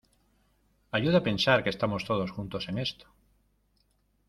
ayuda pensar que estamos todos juntos en esto